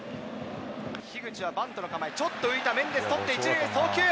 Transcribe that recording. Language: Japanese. ひぐちはバントの構え、ちょっと浮いた、メンデス捕って、送球。